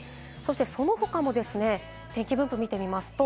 その他の天気分布を見てみます。